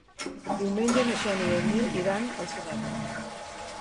Diumenge na Xènia i en Nil iran al cinema.